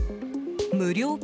無料